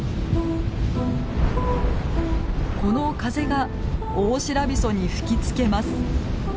この風がオオシラビソに吹きつけます。